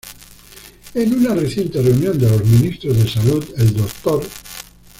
En una reciente reunión de los ministros de salud, el Dr.